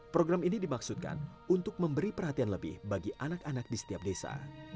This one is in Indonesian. program ini dimaksudkan untuk memberi perhatian lebih bagi anak anak di setiap desa